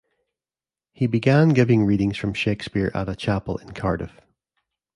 He began giving readings from Shakespeare at a chapel in Cardiff.